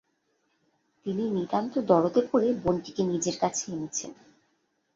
তিনি নিতান্ত দরদে পড়ে বোনটিকে নিজের কাছে এনেছেন।